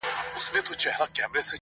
دې دوستی ته خو هیڅ لاره نه جوړیږي!!